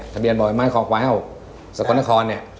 ทะเบียนบ่อยไม้คอควายอ้าวสะกดนคร